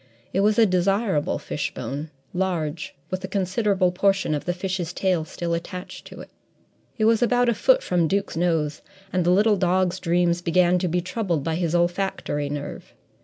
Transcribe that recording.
It was a desirable fishbone, large, with a considerable portion of the fish's tail still attached to it. It was about a foot from Duke's nose, and the little dog's dreams began to be troubled by his olfactory nerve.